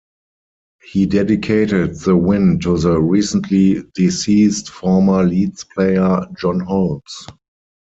He dedicated the win to the recently deceased former Leeds player John Holmes.